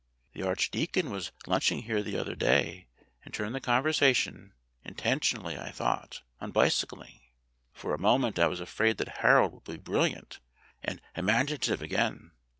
The archdeacon was lunching here the other day and turned the conversation (inten tionally, I thought) on bicycling. For a moment I was afraid that Harold would be brilliant and imagina tive again.